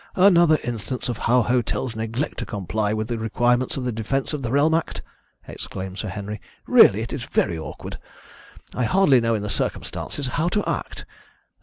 "Another instance of how hotels neglect to comply with the requirements of the Defence of the Realm Act!" exclaimed Sir Henry. "Really, it is very awkward. I hardly know, in the circumstances, how to act.